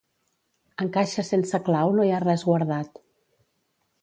En caixa sense clau no hi ha res guardat.